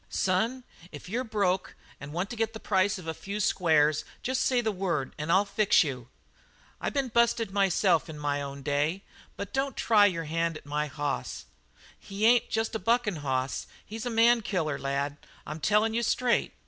"Son, if you're broke and want to get the price of a few squares just say the word and I'll fix you. I been busted myself in my own day, but don't try your hand with my hoss. He ain't just a buckin' hoss; he's a man killer, lad. I'm tellin' you straight.